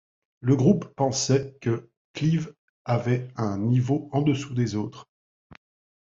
Le groupe pensait que Clive avait un niveau en dessous des autres.